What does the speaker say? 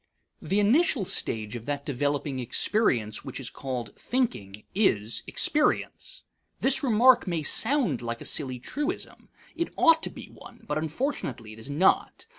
The initial stage of that developing experience which is called thinking is experience. This remark may sound like a silly truism. It ought to be one; but unfortunately it is not.